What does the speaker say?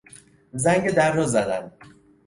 زنگ در را زدن